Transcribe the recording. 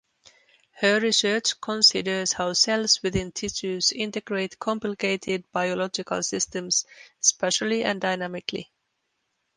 Her research considers how cells within tissues integrate complicated biological systems spatially and dynamically.